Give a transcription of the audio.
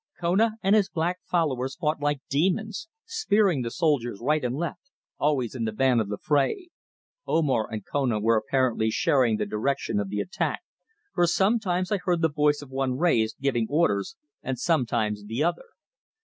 Kona and his black followers fought like demons, spearing the soldiers right and left, always in the van of the fray. Omar and Kona were apparently sharing the direction of the attack, for sometimes I heard the voice of one raised, giving orders, and sometimes the other.